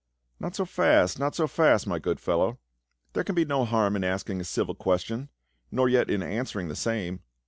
" Not so fast, not so fast, my good fellow ; there can be no harm in asking a civil question — nor yet in answering the same.